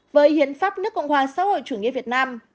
với hiến pháp nước cộng hòa xã hội chủ nghĩa việt nam